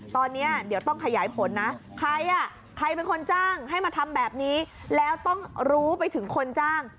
ตอนนี้เดี๋ยวต้องขยายผลนะใครอ่ะใครเป็นคนจ้างให้มาทำแบบนี้แล้วต้องรู้ไปถึงคนจ้าง